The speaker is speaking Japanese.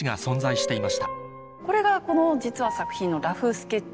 これがこの実は作品のラフスケッチ。